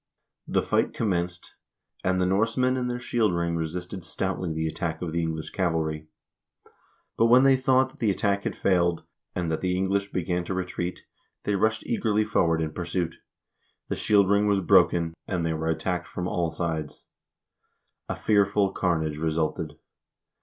The fight commenced, and the Norsemen in their shield ring resisted stoutly the attack of the English cavalry. But when they thought that the attack had failed, and that the English began to retreat, they rushed eagerly forward in pursuit. The shield ring was broken, and they were attacked from all sides. A fearful carnage resulted.